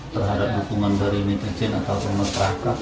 terhadap dukungan dari menteri cina atau pemerintah kep